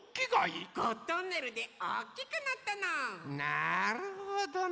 なるほどね。